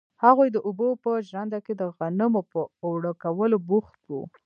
هغوی د اوبو په ژرنده کې د غنمو په اوړه کولو بوخت وو.